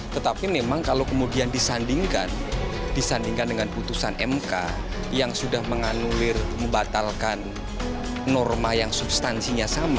tetapi memang kalau kemudian disandingkan disandingkan dengan putusan mk yang sudah menganulir membatalkan norma yang substansinya sama